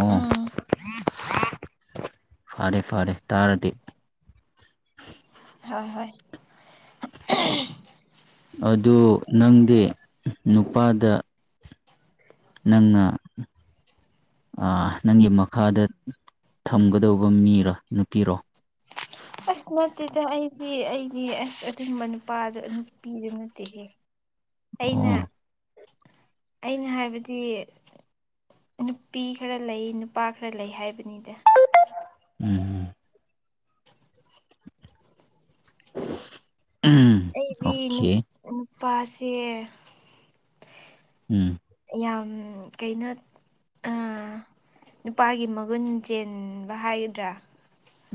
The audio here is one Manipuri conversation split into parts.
ꯑꯣ ꯎꯝ ꯐꯔꯦ ꯐꯔꯦ ꯇꯥꯔꯗꯤ ꯁꯥ ꯕꯩ ꯑꯗꯨ ꯅꯪꯗꯤ ꯅꯨꯄꯥꯗ ꯅꯪꯅ ꯑꯥ ꯅꯪꯒꯤ ꯃꯈꯥꯗ ꯊꯝꯒꯗꯧꯕ ꯃꯤꯔ ꯅꯨꯄꯤꯔꯣ ꯑꯁ ꯅꯠꯇꯦꯗ ꯑꯩꯗꯤ ꯑꯩꯗꯤ ꯑꯁ ꯑꯗꯨꯨꯒꯨꯝꯕ ꯅꯨꯄꯥꯗꯣ ꯑ ꯅꯨꯄꯤꯗꯨ ꯅꯠꯇꯦꯍꯦ [inaudible] ꯑꯩꯅ ꯑꯣ ꯑꯩꯅ ꯍꯥꯢꯕꯗꯤ ꯅꯨꯄꯤ ꯈꯔ ꯂꯩ ꯅꯨꯄꯥ ꯈꯔ ꯂꯩ ꯍꯥꯢꯕꯅꯤꯗ ꯎꯝ [unintelligible] ꯑꯩꯗꯤ ꯑꯣꯀꯦ ꯅꯨ ꯅꯨꯄꯥꯁꯦ ꯎꯝ ꯌꯥꯝ ꯀꯩꯅꯣ ꯑꯥ ꯅꯨꯄꯥꯒꯤ ꯃꯒꯨꯟ ꯆꯦꯟꯕ ꯍꯥꯢꯒꯗ꯭ꯔꯥ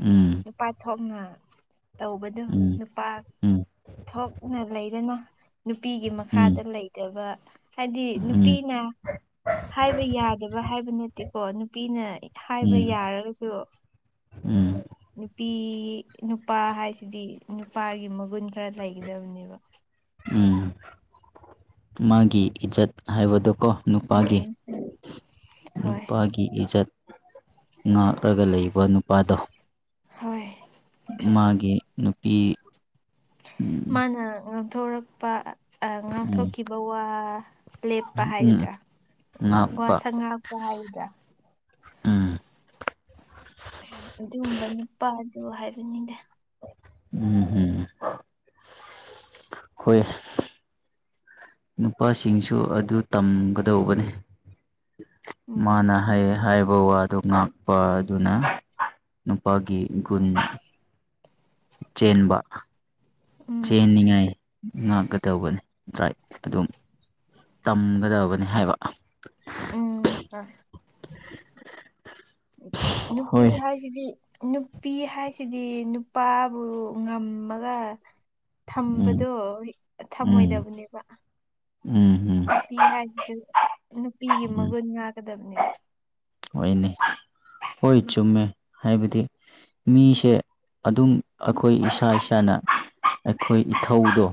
ꯎꯝ ꯅꯨꯄꯥ ꯊꯣꯛꯅ ꯇꯧꯕꯗꯣ ꯎꯝ ꯅꯨꯄꯥ ꯎꯝ ꯊꯣꯛꯅ ꯂꯩꯗꯅ ꯅꯨꯄꯤꯒꯤ ꯎꯝ ꯃꯈꯥꯗ ꯂꯩꯇꯕ ꯍꯥꯢꯗꯤ ꯎꯝ ꯅꯨꯄꯤꯅ ꯍꯥꯢꯕ ꯌꯥꯗꯕ ꯍꯥꯢꯕ ꯅꯠꯇꯦꯀꯣ ꯅꯨꯄꯤꯅ ꯍꯥꯢꯕ ꯎꯝ ꯌꯥꯔꯒꯁꯨ ꯎꯝ ꯅꯨꯄꯤ ꯅꯨꯄꯥ ꯍꯥꯏꯁꯤꯗꯤ ꯅꯨꯄꯥꯒꯤ ꯃꯒꯨꯟ ꯈꯔ ꯂꯩꯒꯗꯕꯅꯦꯕ ꯎꯝ ꯃꯥꯒꯤ ꯏꯖꯠ ꯍꯥꯏꯕꯗꯣ ꯀꯣ ꯅꯨꯄꯥꯒꯤ ꯎꯝ ꯎꯝ ꯍꯣꯏ ꯅꯨꯄꯥꯒꯤ ꯏꯖꯠ ꯉꯥꯛꯂꯒ ꯂꯩꯕ ꯅꯨꯄꯥꯗꯣ ꯍꯣꯏ ꯃꯥꯒꯤ ꯅꯨꯄꯤ ꯎꯝ ꯃꯥꯅ ꯉꯥꯡꯊꯣꯔꯛꯄ ꯑꯥ ꯎꯝ ꯉꯥꯡꯊꯣꯛꯈꯤꯕ ꯋꯥ ꯂꯦꯞꯄ ꯎꯝ ꯍꯥꯏꯒꯗ꯭ꯔꯥ ꯉꯥꯛꯄ ꯋꯥꯁꯛ ꯉꯥꯛ ꯄꯥ ꯍꯥꯏꯒꯗ꯭ꯔ ꯎꯝ ꯑꯗꯨꯝꯕ ꯅꯨꯄꯥꯗꯨ ꯍꯥꯏꯕꯅꯤꯗ ꯎꯝ ꯎꯝ ꯍꯣꯏ ꯅꯨꯄꯥꯁꯤꯡꯁꯨ ꯑꯗꯨ ꯇꯝꯒꯗꯧꯕꯅꯦ ꯎꯝ ꯃꯥꯅ ꯍꯥꯏ ꯍꯥꯏꯕ ꯋꯥꯗꯣ ꯉꯥꯛꯄ ꯑꯗꯨꯅ ꯅꯨꯄꯥꯒꯤ ꯒꯨꯟ ꯆꯦꯟꯕ ꯎꯝ ꯆꯦꯟꯅꯤꯡꯉꯥꯏ ꯉꯥꯛꯀꯇꯧꯕꯅꯦ ꯗ꯭ꯔꯥꯏꯕ ꯑꯗꯨꯝ ꯇꯝꯒꯗꯕꯅꯦ ꯍꯥꯏꯕ [unintelligible] [inaudible] ꯅꯨꯄꯤ ꯍꯣꯏ ꯍꯥꯏ ꯁꯤꯗꯤ ꯅꯨꯄꯤ ꯍꯥꯏꯁꯤꯗꯤ ꯅꯨꯄꯥꯕꯨ ꯉꯝꯃꯒ ꯎꯝ ꯊꯝꯕꯗꯣ ꯎꯝ ꯊꯝꯃꯣꯏꯗꯕꯅꯦꯕ ꯎꯝ ꯍꯨꯝ ꯅꯨꯄꯤ ꯍꯥꯏꯁꯤꯁꯨ ꯅꯨꯄꯤꯒꯤ ꯃꯒꯨꯟ ꯉꯥꯛꯀꯗꯕꯅꯦꯕ ꯍꯣꯏꯅꯦ ꯍꯣꯏ ꯆꯨꯝꯃꯦ ꯍꯥꯏꯕꯗꯤ ꯃꯤꯁꯦ ꯑꯗꯨꯝ ꯑꯈꯣꯏ ꯏꯁꯥ ꯏꯁꯥꯅ ꯑꯩꯈꯣꯏ ꯏꯊꯧꯗꯣ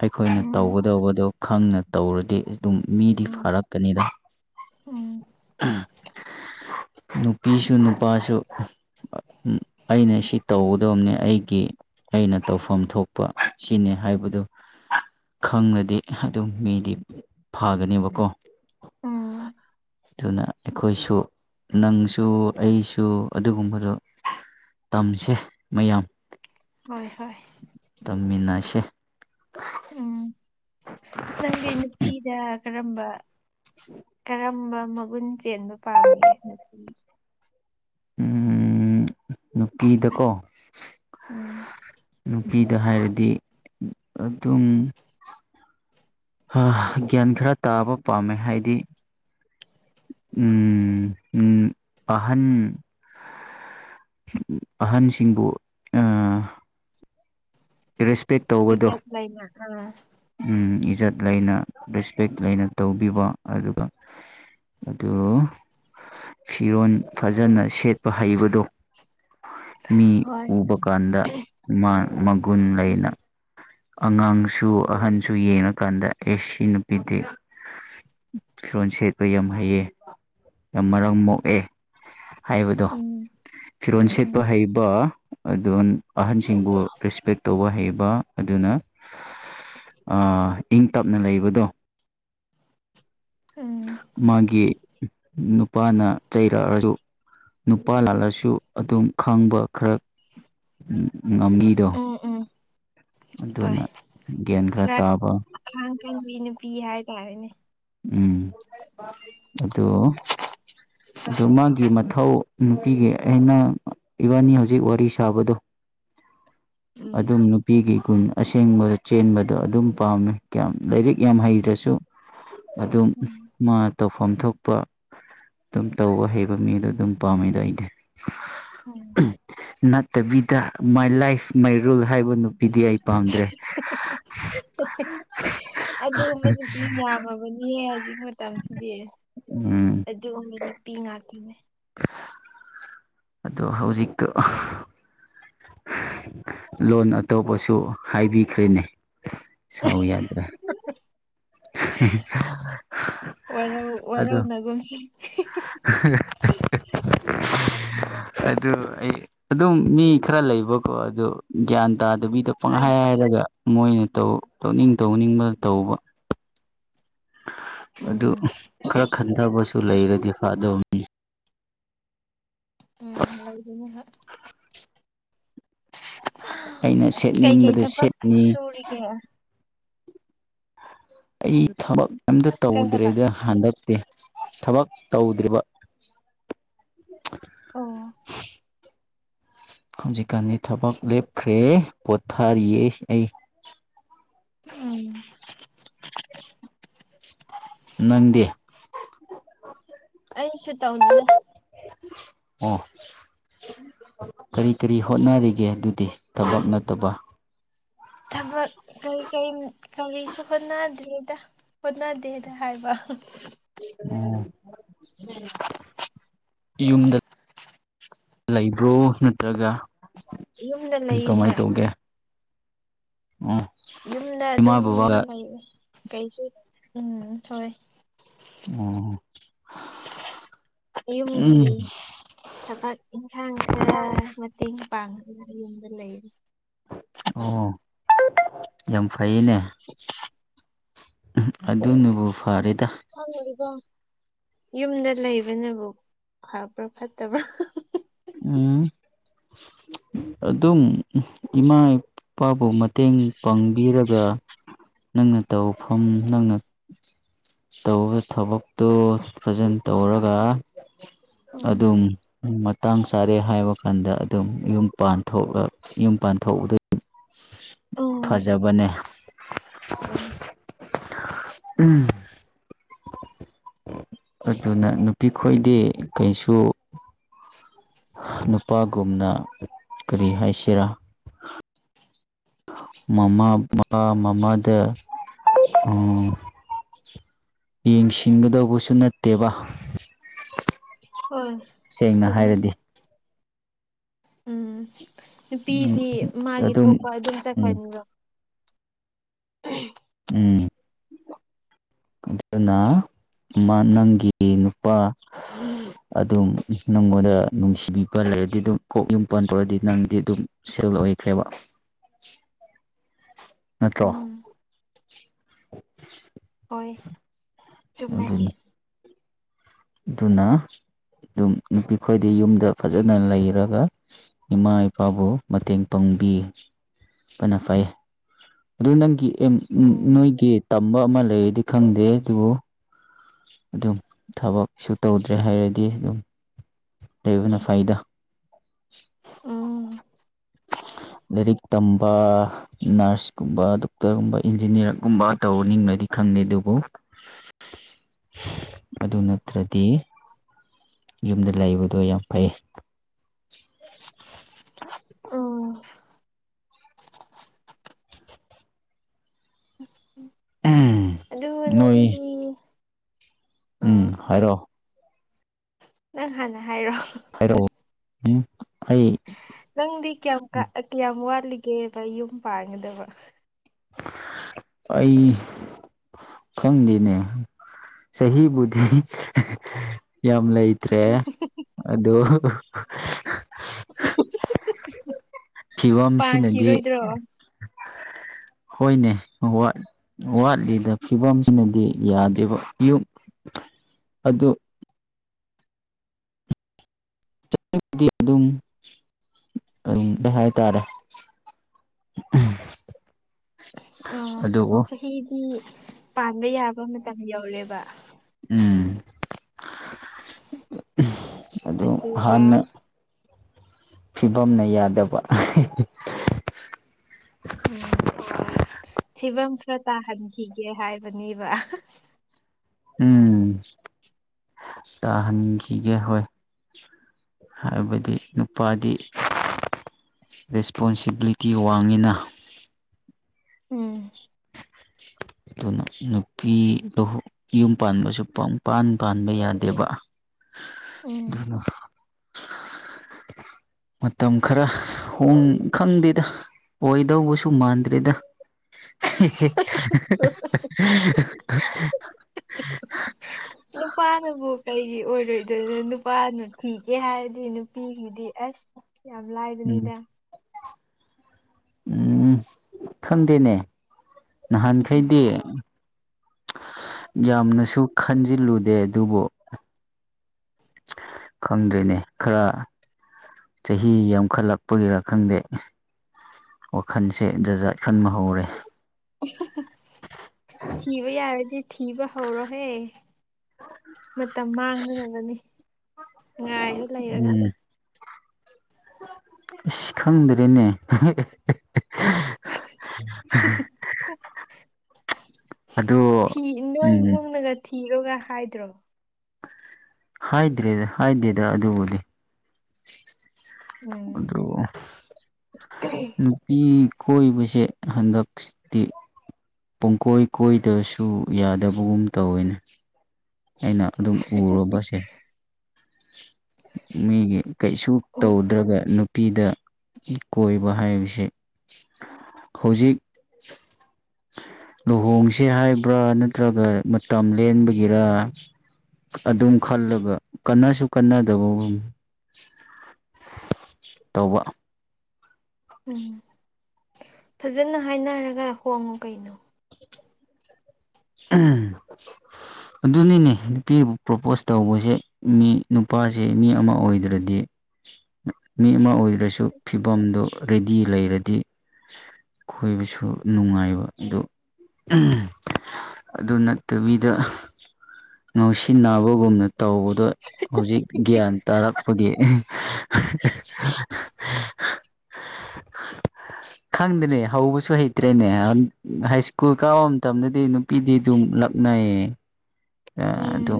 ꯑꯩꯈꯣꯏꯅ ꯎꯝ ꯇꯧꯒꯗꯧꯕꯗꯣ ꯈꯪꯅ ꯇꯧꯔꯗꯤ ꯗꯨꯝ ꯃꯤꯗꯤ ꯎꯝ ꯐꯥꯔꯛꯀꯅꯤꯗ ꯎꯝ ꯅꯨꯄꯤꯁꯨ ꯅꯨꯄꯥꯁꯨ ꯍꯥ ꯑꯥ ꯎꯝ ꯑꯩꯅ ꯁꯤ ꯇꯧꯒꯗꯕꯅꯦ ꯑꯩꯒꯤ ꯑꯩꯅ ꯇꯧꯐꯝ ꯊꯣꯛꯄ ꯁꯤꯅꯦ ꯍꯥꯏꯕꯗꯣ ꯈꯪꯉꯥꯗꯤ ꯑꯗꯨꯝ ꯃꯤꯗꯤ ꯐꯥꯒꯅꯦꯕꯀꯣ ꯎꯝ ꯑꯗꯨꯅ ꯑꯩꯈꯣꯏꯁꯨ ꯅꯪꯁꯨ ꯑꯩꯁꯨ ꯑꯗꯨꯒꯨꯝꯕꯗꯣ ꯇꯝꯁꯦ ꯃꯌꯥꯝ ꯍꯣꯏ ꯍꯣꯏ ꯇꯝꯃꯤꯟꯅꯁꯦ ꯎꯝ ꯅꯪꯗꯤ ꯅꯨꯄꯤꯗꯥꯥ ꯀꯔꯝꯕ ꯀꯔꯝ ꯔꯝꯕ ꯃꯒꯨꯟ ꯆꯦꯟꯕ ꯄꯥꯝꯒꯦ ꯅꯨꯄꯤ ꯎꯝ ꯅꯨꯄꯤꯗꯀꯣ ꯎꯝ ꯅꯨꯄꯤꯗ ꯍꯥꯏꯔꯗꯤ ꯑꯗꯨꯝ ꯍꯥ ꯒ꯭ꯌꯥꯟ ꯈꯔ ꯇꯥꯕ ꯄꯥꯝꯃꯦ ꯍꯥꯏꯗꯤ ꯎꯝ ꯎꯝ ꯑꯍꯟ ꯑꯍꯟꯁꯤꯡꯕꯨ ꯑ ꯔꯦꯁꯄꯦꯛ ꯏꯖꯠ ꯂꯩꯅ ꯑꯥ ꯑꯝ ꯏꯖꯠ ꯂꯩꯅ ꯔꯦꯁꯄꯦꯛ ꯂꯩꯅ ꯇꯧꯕꯤꯕ ꯑꯗꯨꯒ ꯑꯗꯨ ꯐꯤꯔꯣꯟ ꯐꯖꯅ ꯁꯦꯠꯄ ꯍꯩꯕꯗꯣ ꯃꯤ ꯍꯣꯏ ꯎꯕ ꯀꯥꯟꯗ ꯃꯥ ꯃꯒꯨꯟ ꯂꯩꯅ ꯎꯝ ꯑꯉꯥꯡꯁꯨ ꯑꯍꯟꯁꯨ ꯌꯦꯡꯉꯀꯥꯟꯗ ꯑꯦ ꯁꯤ ꯅꯨꯄꯤꯗꯤ ꯐꯤꯔꯣꯟ ꯁꯦꯠꯄ ꯌꯥꯝ ꯍꯩꯌꯦ ꯌꯥꯝ ꯃꯔꯥꯝ ꯃꯣꯛꯑꯦ ꯍꯥꯏꯕꯗꯣ ꯎꯝ ꯐꯤꯔꯣꯟ ꯁꯦꯠꯄ ꯎꯝ ꯍꯩꯕ ꯑꯗꯨꯟ ꯑꯍꯟꯁꯤꯡꯕꯨ ꯔꯦꯁꯄꯦꯛ ꯇꯧꯕ ꯍꯩꯕ ꯑꯗꯨꯅ ꯑꯥ ꯏꯪ ꯇꯞꯅ ꯂꯩꯕꯗꯣ ꯎꯝ ꯃꯥꯒꯤ ꯅꯨꯄꯥꯅ ꯆꯩꯔꯛꯑꯔꯖꯨ ꯅꯨꯄꯥ ꯂꯥꯛꯂꯁꯨ ꯑꯗꯨꯝ ꯈꯪꯕ ꯈꯔ ꯎꯝ ꯉꯝꯃꯤꯗꯣ ꯎꯝ ꯎꯝ ꯑꯗꯨꯅ ꯒ꯭ꯌꯦꯟ ꯈꯔ ꯇꯥꯕ ꯑꯈꯥꯡ ꯀꯟꯕꯤ ꯅꯨꯄꯤ ꯍꯥꯏꯇꯥꯔꯦꯅꯦ ꯎꯝ ꯑꯗꯣ ꯑꯗꯨ ꯃꯥꯒꯤ ꯃꯊꯧ ꯅꯨꯄꯤꯒꯤ ꯑꯩꯅ ꯏꯕꯥꯅꯤ ꯍꯧꯖꯤꯛ ꯋꯥꯔꯤ ꯁꯥꯕꯗꯣ ꯎꯝ ꯑꯗꯨꯝ ꯅꯨꯄꯤꯒꯤ ꯒꯨꯟ ꯑꯁꯦꯡꯕ ꯆꯦꯟꯕꯗꯣ ꯑꯗꯨꯝ ꯄꯥꯝꯃꯦ ꯀꯌꯥꯝ ꯂꯥꯏꯔꯤꯛ ꯌꯥꯝ ꯍꯩꯇ꯭ꯔꯁꯨ ꯑꯗꯨꯝ ꯎꯝ ꯃꯥ ꯇꯧꯐꯝ ꯊꯣꯛꯄ ꯑꯗꯨꯝ ꯇꯧꯕ ꯍꯩꯕ ꯃꯤꯗꯣ ꯑꯗꯨꯝ ꯄꯥꯝꯃꯤꯗ ꯑꯩꯗꯤ ꯎꯝ ꯅꯠꯇꯕꯤꯗ ꯃꯥꯏ ꯂꯥꯏꯐ ꯃꯥꯏ ꯔꯨꯜ ꯍꯥꯏꯕ ꯅꯨ ꯄꯤꯗꯤ ꯑꯩ ꯄꯥꯝꯗ꯭ꯔꯦ ꯑꯗꯨꯒꯨꯝꯕ ꯅꯨꯄꯤ ꯌꯥꯝꯃꯕꯅꯤ ꯍꯧꯖꯤꯛ ꯃꯇꯝꯁꯤꯗꯤ ꯑ ꯎꯝ ꯑꯗꯨꯨꯒꯨꯝꯕꯤ ꯅꯨꯄꯤ ꯉꯥꯛꯇꯅꯦ [unintelligible] ꯑꯗꯣ ꯍꯧꯖꯤꯛꯇꯣ ꯂꯣꯟ ꯑꯇꯣꯞꯄꯁꯨ ꯍꯥꯏꯕꯤꯈ꯭ꯔꯦꯅꯦ ꯁꯥꯎ ꯌꯥꯗ ꯍꯥꯍꯥ [unintelligible] ꯋꯥꯔꯧ ꯑꯗꯣ ꯋꯥꯔꯧꯅꯒꯨꯝꯁꯤ [unintelligible] ꯑꯗꯨ ꯑꯩ ꯑꯗꯨꯝ ꯃꯤ ꯈꯔ ꯂꯩꯕꯀꯣ ꯑꯗꯨ ꯒ꯭ꯌꯥꯟ ꯇꯥꯗꯕꯤ ꯑꯗꯨ ꯑꯩ ꯄꯪꯍꯥꯏ ꯍꯥꯏꯔꯒ ꯃꯣꯏꯅ ꯇꯧ ꯇꯧꯅꯤꯡ ꯇꯧꯅꯤꯡꯕꯗ ꯇꯧꯕ ꯑꯗꯨ ꯎꯝ ꯈꯔ ꯈꯟꯊꯕꯁꯨ ꯂꯩꯔꯗꯤ ꯐꯗꯧꯝꯅꯤ ꯎꯝ ꯂꯩꯕꯅꯦ ꯍꯣꯏ ꯑꯩꯅ ꯁꯦꯠꯅꯤꯡꯕꯗ ꯁꯦꯠꯅꯤ ꯄꯨꯔꯤꯒꯦ ꯑꯩ ꯊꯕꯛ ꯑꯝꯇ ꯀꯩ ꯍꯥꯏꯕ ꯇꯧꯗ꯭ꯔꯦꯗ ꯍꯟꯗꯛꯇꯤ ꯊꯕꯛ ꯇꯧꯗ꯭ꯔꯤꯕ ꯑꯣ ꯍꯧꯖꯤꯛꯀꯥꯟꯗꯤ ꯊꯕꯛ ꯂꯦꯞꯈ꯭ꯔꯦ ꯄꯣꯊꯥꯔꯤꯌꯦ ꯑꯩ ꯎꯝ ꯅꯪꯗꯤ ꯑꯩꯁꯨ ꯇꯧꯗꯦꯗ ꯑꯣ ꯀꯔꯤ ꯀꯔꯤ ꯍꯣꯠꯅꯔꯤꯒꯦ ꯑꯗꯨꯗꯤ ꯊꯕꯛ ꯅꯠꯇꯕ ꯊꯕꯛ ꯀꯩ ꯀꯩ ꯀꯔꯤꯁꯨ ꯍꯣꯠꯅꯗ꯭ꯔꯤꯗ ꯍꯣꯠꯅꯗꯦꯗ ꯍꯥꯏꯕ ꯑꯣ [unintelligible] ꯌꯨꯝꯗ ꯂꯩꯕ꯭ꯔꯣ ꯅꯠꯇ꯭ꯔꯒ ꯌꯨꯝꯗ ꯂꯩ ꯀꯃꯥꯏꯅ ꯍꯣꯏ ꯇꯧꯒꯦ ꯎꯝ ꯌꯨꯝꯗ ꯏꯃꯥ ꯑꯗꯨꯝ ꯕꯕꯥꯒ ꯂꯩꯔꯦ ꯀꯩꯁꯨ ꯎꯝ ꯍꯣꯏ ꯑꯣ ꯌꯨꯝꯒꯤ ꯊꯕꯛ ꯏꯟꯈꯥꯡ ꯈꯔ ꯃꯇꯦꯡ ꯄꯥꯡꯉꯒ ꯌꯨꯝꯗ ꯂꯩꯔꯤ ꯑꯣ ꯌꯥꯝ ꯐꯩꯌꯦꯅꯦ ꯑꯗꯨꯅꯕꯨ ꯐꯔꯦꯗꯥ ꯈꯪꯗꯦꯗ ꯌꯨꯝꯗ ꯂꯩꯕꯅꯕꯨ ꯐꯕ꯭ꯔ ꯐꯠꯇꯕ꯭ꯔ ꯍ ꯎꯝ ꯑꯗꯨꯝ ꯏꯃꯥ ꯏꯄꯥꯕꯨ ꯃꯇꯦꯡ ꯄꯥꯡꯕꯤꯔꯒ ꯅꯪꯅ ꯇꯧꯐꯝ ꯅꯪꯅ ꯇꯧꯕ ꯊꯕꯛꯇꯣ ꯐꯖꯅ ꯇꯧꯔꯒ ꯎꯝ ꯑꯗꯨꯝ ꯃꯇꯥꯡ ꯆꯥꯔꯦ ꯍꯥꯏꯕ ꯀꯥꯟꯗ ꯑꯗꯨꯝ ꯌꯨꯝ ꯄꯥꯟꯊꯣꯛꯂ ꯌꯨꯝ ꯄꯥꯟꯊꯣꯛꯎꯗꯩ ꯐꯖꯕꯅꯦ [unintelligible] ꯎꯝ ꯑꯗꯨꯅ ꯅꯨꯄꯤꯈꯣꯏꯗꯤ ꯀꯩꯁꯨ ꯅꯨꯄꯥꯒꯨꯝꯅ ꯀꯔꯤ ꯍꯥꯏꯁꯤꯔꯥ [inaudible] ꯃꯃꯥ ꯃꯄꯥ ꯃꯃꯥꯗ ꯑ ꯌꯦꯡꯁꯤꯡꯒꯗꯧꯕꯁꯨ ꯅꯠꯇꯦꯕ ꯍꯣꯏ ꯁꯦꯡꯅ ꯆꯨꯝꯃꯦ ꯍꯥꯏꯔꯗꯤ ꯎꯝ ꯅꯨꯄꯤꯗꯤ ꯃꯥꯒꯤ ꯊꯣꯛꯄ ꯑꯗꯨꯝ ꯎꯝ ꯆꯠꯈꯅꯤꯕ [inaudible] ꯎꯝ ꯑꯗꯨꯅꯥ ꯃꯥ ꯅꯪꯒꯤ ꯅꯨꯄꯥ ꯑꯗꯨꯝ ꯅꯉꯣꯟꯗ ꯅꯨꯡꯁꯤꯕꯤꯕ ꯂꯩꯔꯗꯤ ꯑꯗꯨꯝ ꯀꯣꯛ ꯌꯨꯝ ꯄꯟꯊꯣꯛꯑꯗꯤ ꯅꯪꯗꯤ ꯑꯗꯨꯝ ꯁꯦꯜ ꯑꯣꯏꯈ꯭ꯔꯦꯕ ꯅꯠꯇ꯭ꯔꯣ ꯎꯝ ꯍꯣꯏ ꯆꯨꯝꯃꯦ ꯑꯗꯨꯅꯤ ꯑꯗꯨꯅ ꯗꯨꯝ ꯅꯨꯄꯤꯈꯣꯏꯗꯤ ꯌꯨꯝꯗ ꯐꯖꯅ ꯂꯩꯔꯒ ꯏꯃꯥ ꯏꯄꯥꯕꯨ ꯃꯇꯦꯡ ꯄꯥꯡꯕꯤ ꯐꯅ ꯐꯩ ꯑꯗꯨ ꯅꯪꯒꯤ ꯑꯦꯝ ꯎꯝ ꯅꯣꯏꯒꯤ ꯇꯝꯕ ꯑꯃ ꯂꯩꯔꯗꯤ ꯈꯪꯗꯦ ꯗꯨꯕꯨ ꯑꯗꯨꯝ ꯊꯕꯛꯁꯨ ꯇꯧꯗ꯭ꯔꯦ ꯍꯥꯏꯔꯗꯤ ꯗꯨꯝ ꯂꯩꯕꯅ ꯐꯩꯗ [inaudible] ꯎꯝ ꯂꯥꯏꯔꯤꯛ ꯇꯝꯕ ꯅꯔꯁꯀꯨꯝꯕ ꯗꯣꯛꯇꯔꯒꯨꯝꯕ ꯏꯟꯖꯤꯅꯤꯌꯥꯔꯒꯨꯝꯕ ꯇꯧꯅꯤꯡꯂꯗꯤ ꯈꯪꯗꯦ ꯗꯨꯕꯨ ꯑꯗꯨ ꯅꯠꯇ꯭ꯔꯗꯤ ꯌꯨꯝꯗ ꯂꯩꯕꯗꯣ ꯌꯥꯝ ꯐꯩ ꯎꯝ ꯑꯗꯨꯕꯨ ꯅꯣꯏ ꯅꯪꯗꯤ ꯑꯥ ꯎꯝ ꯍꯥꯏꯔꯣ ꯅꯪ ꯍꯥꯟꯅ ꯍꯥꯏꯔꯣ ꯍꯥꯏꯔꯛꯑꯣ ꯎꯝ ꯑꯩ ꯅꯪꯗꯤ ꯀꯌꯥꯝ ꯀꯥ ꯀꯌꯥꯝ ꯋꯥꯠꯂꯤꯒꯦꯕ ꯅꯌꯨꯝ ꯄꯥꯟꯒꯗꯕ ꯑꯩ ꯈꯪꯗꯦꯅꯦ ꯆꯍꯤꯕꯨꯗꯤ ꯌꯥꯝ ꯂꯩ ꯇ꯭ꯔꯦ ꯑꯗꯨ [unintelligible] ꯐꯤꯕꯝꯁꯤꯅꯗꯤ ꯄꯥꯟꯈꯤꯔꯣꯏꯗ꯭ꯔꯣ ꯍꯣꯏꯅꯦ [unintelligible] ꯋꯥꯠꯂꯤꯗ ꯐꯤꯕꯝꯁꯤꯅꯗꯤ ꯌꯥꯗꯦꯕ ꯌꯨꯝ ꯑꯗꯨ ꯑꯗꯨꯗꯤ ꯑꯗꯨꯝ ꯑꯗꯨꯝꯇ ꯍꯥꯏꯇꯥꯔꯦ ꯑꯣ ꯑꯗꯨꯕꯨ ꯆꯍꯤꯗꯤ ꯄꯥꯟꯕ ꯌꯥꯕ ꯃꯇꯝ ꯌꯧꯔꯦꯕ ꯎꯝ ꯑꯗꯨ ꯑꯗꯨꯒ ꯍꯥꯟꯅ ꯐꯤꯕꯝꯅ ꯌꯥꯗꯕ ꯎꯝ ꯐꯤꯕꯝ ꯈꯔ ꯇꯥꯍꯟꯈꯤꯒꯦ ꯍꯥꯏꯕꯅꯤꯕꯥ ꯎꯝ ꯇꯥꯍꯟꯈꯤꯒꯦ ꯍꯣꯏ ꯍꯥꯏꯕꯗꯤ ꯅꯨꯄꯥꯗꯤ ꯔꯦꯁꯄꯣꯟꯁꯤꯕꯤꯂꯤꯇꯤ ꯋꯥꯡꯉꯤꯅ ꯎꯝ ꯑꯗꯨꯅ ꯅꯨꯄꯤꯗꯍꯨ ꯌꯨꯝ ꯄꯥꯟꯕꯁꯨ ꯄꯪꯄꯥꯟ ꯄꯥꯟꯕ ꯌꯥꯗꯦꯕ [inaudible] ꯎꯝ ꯃꯇꯝ ꯈꯔ ꯎꯝ ꯈꯪꯗꯦꯗ ꯑꯣꯏꯗꯧꯕꯁꯨ ꯃꯥꯟꯗ꯭ꯔꯦꯗ ꯑ [inaudible] ꯅꯨꯄꯥꯅꯕꯨ ꯀꯩꯒꯤ ꯑꯣꯏꯔꯣꯏꯗꯣꯏꯅꯣ ꯅꯨꯄꯥꯅ ꯊꯤꯒꯦ ꯍꯥꯏꯔꯗꯤ ꯅꯨꯄꯤꯒꯤꯗꯤ ꯑꯁ ꯌꯥꯝ ꯎꯝ ꯂꯥꯏꯕꯅꯤꯗ ꯎꯝ ꯈꯪꯗꯦꯅꯦ ꯅꯍꯥꯟꯈꯩꯗꯦ ꯌꯥꯝꯅꯁꯨ ꯈꯟꯖꯤꯜꯂꯨꯗꯦ ꯑꯗꯨꯕꯨ ꯈꯪꯗ꯭ꯔꯦꯅꯦ ꯈꯔ ꯆꯍꯤ ꯌꯥꯝꯈꯠꯂꯛꯄꯒꯤꯔ ꯈꯪꯗꯦ ꯋꯥꯈꯜꯁꯦ ꯖꯖꯥꯠ ꯈꯟꯕ ꯍꯧꯔꯦ ꯊꯤꯕ ꯌꯥꯔꯗꯤ ꯊꯤꯕ ꯍꯧꯔꯣꯍꯦ ꯃꯇꯝ ꯃꯥꯡꯅꯅꯕꯅꯤ ꯉꯥꯏꯔ ꯂꯩꯔꯒ ꯎꯝ ꯑꯁ ꯈꯪꯗ꯭ꯔꯦꯅꯦ [inaudible] ꯑꯗꯣ ꯐꯤ ꯏꯅꯣꯏ ꯎꯝ ꯏꯃꯨꯡꯅꯒ ꯊꯤꯔꯣꯒ ꯍꯥꯏꯗ꯭ꯔꯣ ꯍꯥꯏꯗ꯭ꯔꯦꯗ ꯍꯥꯏꯗꯦꯗ ꯑꯗꯨꯕꯨꯗꯤ ꯎꯝ ꯑꯗꯣ ꯅꯨ ꯄꯤ ꯀꯣꯏꯕꯁꯦ ꯍꯟꯗꯛꯁꯤꯗꯤ ꯄꯨꯡꯀꯣꯏ ꯀꯣꯏꯗꯁꯨ ꯌꯥꯗꯕꯒꯨꯝ ꯇꯧꯋꯤꯅꯦ ꯑꯩꯅ ꯑꯗꯨꯝ ꯎꯔꯨꯕꯁꯦ ꯃꯤꯒꯤ ꯀꯩꯁꯨ ꯇꯧꯗ꯭ꯔꯒ ꯅꯨꯞ ꯅꯨꯄꯤꯗ ꯀꯣꯏꯕ ꯍꯥꯏꯕꯁꯦ ꯍꯧꯖꯤꯛ ꯂꯨꯍꯣꯡꯁꯦ ꯍꯥꯏꯕ꯭ꯔꯥ ꯅꯠꯇ꯭ꯔꯒ ꯃꯇꯝ ꯂꯦꯟꯕꯒꯤꯔ ꯑꯗꯨꯝ ꯈꯜꯂꯒ ꯀꯥꯟꯅꯁꯨ ꯀꯥꯟꯅꯗꯕꯒꯨꯝ ꯇꯧꯕ ꯎꯝ ꯐꯖꯅ ꯍꯥꯏꯅꯔꯒ ꯍꯣꯡꯉꯨ ꯀꯩꯅꯣ ꯑ ꯑꯗꯨꯅꯤꯅꯦ ꯅꯨꯄꯤꯕꯨ ꯄ꯭ꯔꯣꯄꯣꯁ ꯇꯧꯕꯖꯦ ꯃꯤ ꯅꯨꯄꯥꯖꯦ ꯃꯤ ꯑꯃ ꯑꯣꯏꯗ꯭ꯔꯗꯤ ꯃꯤ ꯑꯃ ꯑꯣꯏ ꯗꯁꯨ ꯐꯤꯕꯝꯗꯣ ꯔꯦꯗꯤ ꯂꯩꯔꯗꯤ ꯈꯣꯏꯕꯨꯁꯨ ꯅꯨꯡꯉꯥꯏꯕ ꯑꯗꯨ ꯑꯗꯨ ꯅꯠꯇꯕꯤꯗ ꯉꯥꯎꯁꯤꯟꯅꯕꯒꯨꯝꯅ ꯇꯧꯕꯗꯣ ꯍꯧꯖꯤꯛ ꯒ꯭ꯌꯥꯟ ꯇꯥꯔꯛꯄꯒꯤ ꯑꯍꯦ [unintelligible] [unintelligible] ꯈꯪꯗꯅꯦ ꯍꯧꯕꯁꯨ ꯍꯩꯇ꯭ꯔꯦꯅꯦ ꯍꯥꯏ ꯁ꯭ꯀꯨꯜ ꯀꯥꯕ ꯃꯇꯝꯗ ꯗꯤ ꯅꯨꯄꯤꯗꯤ ꯗꯨꯝ ꯂꯛꯅꯩꯌꯦ ꯑ ꯎꯝ ꯑꯗꯨ